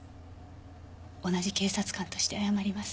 同じ警察官として謝ります。